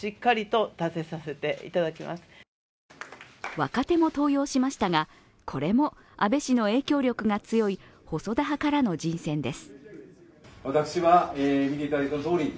若手も登用しましたが、これも安倍氏の影響力が強い細田派からの人選です。